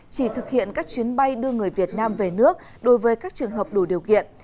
chỉ thực hiện các chuyến bay đưa người việt nam về nước đối với các trường hợp đủ điều kiện